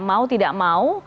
mau tidak mau